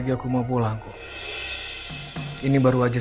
yazid wadlan yang menjadikan orang diinodot di denver megapark